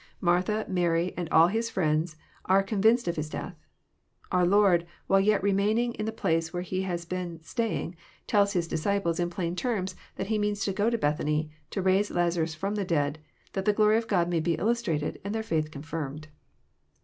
Martha, Mary, and all his friends are convinced of his death. Our Lord, while yet remaining in the place where He had been staying, tells His disciples in plain terms that He means to go to Bethany, to raise Lazarus from the dead, that the glory of God may be illustrated, and their faith confirmed.